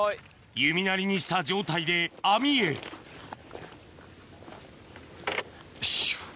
弓なりにした状態で網へよいしょ。